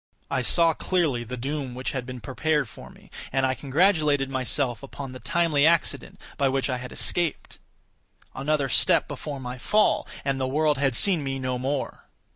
I saw clearly the doom which had been prepared for me, and congratulated myself upon the timely accident by which I had escaped. Another step before my fall, and the world had seen me no more.